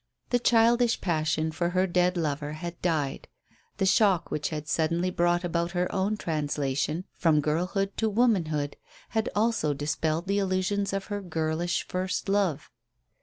The childish passion for her dead lover had died; the shock which had suddenly brought about her own translation from girlhood to womanhood had also dispelled the illusions of her girlish first love.